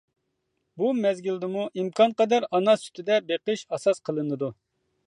بۇ مەزگىلدىمۇ ئىمكانقەدەر ئانا سۈتىدە بېقىش ئاساس قىلىنىدۇ.